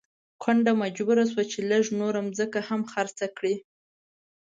کونډه مجبوره شوه چې لږه نوره ځمکه هم خرڅه کړي.